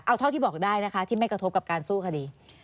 เอาเท่าที่บอกได้นะคะที่ไม่กระทบกับการสู้คดี